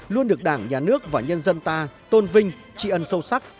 luôn được đảng nhà nước và nhân dân ta tôn vinh tri ân sâu sắc